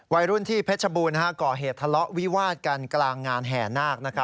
วัยรุ่นที่เพชรบูรณ์ก่อเหตุทะเลาะวิวาดกันกลางงานแห่นาค